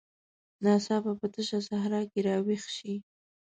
ناڅاپه په تشه صحرا کې راویښ شي.